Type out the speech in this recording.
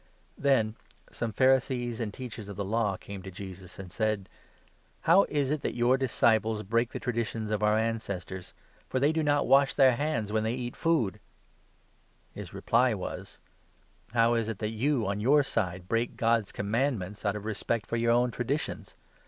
Then some Pharisees and Teachers of the Law i 15 Theb?amed °" came to Jesus, and said : for neglecting " How is it that your disciples break the tra 2 ceremonies, ditions of our ancestors ? For they do not wash their hands when they eat food." His reply was : 3 " How is it that you on your side break God's commandments out of respect for your own traditions